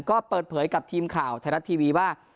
ก็เปิดเผยกับทีมข่าวไทยรัฐทีวีว่า